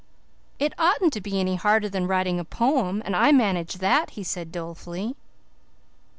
"It oughtn't to be any harder than writing a poem and I managed that," he said dolefully.